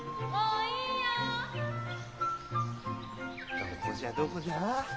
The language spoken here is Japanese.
どこじゃどこじゃ？